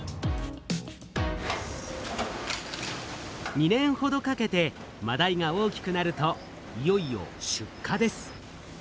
２年ほどかけてマダイが大きくなるといよいよ出荷です。